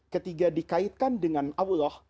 ketiga dikaitkan dengan allah